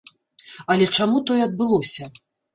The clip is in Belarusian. Але чаму тое адбылося?